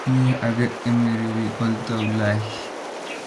Iyie ake emeriri oltaulai